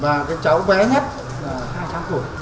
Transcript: và cái cháu bé nhất là hai tháng tuổi